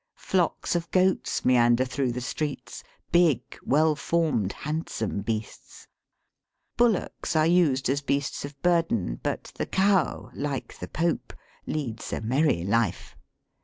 Flocks of goats meander through the streets, big, well formed, handsome beasts. Bullocks are used as beasts of burden, but the cow, like the Pope, " leads a merry life."